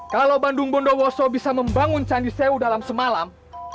kalau bandung bondowoso bisa membangun candi sewu dalam semalam